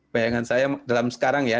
bayangan saya dalam sekarang ya